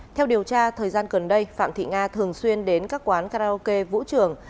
theo điều tra thời gian gần đây phạm thị nga thường xuyên đến các quán karaoke vũ trường